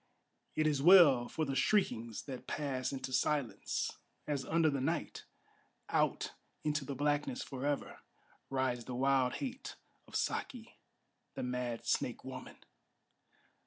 it is well for the shriekings that pass into silence, As under the night, out into the blackness forever, Rides the wild hate of Saki, the mad snake woman!